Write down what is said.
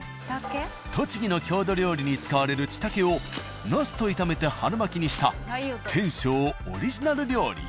栃木の郷土料理に使われるちたけをなすと炒めて春巻きにした「天昇」オリジナル料理。